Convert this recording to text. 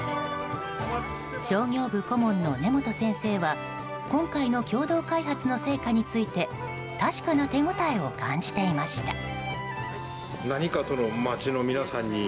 商業部顧問の根本先生は今回の共同開発の成果について確かな手応えを感じていました。